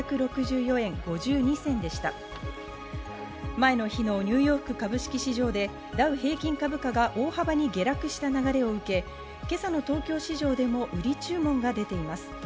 前の日のニューヨーク株式市場でダウ平均株価が大幅に下落した流れを受け、今朝の東京市場でも売り注文が出ています。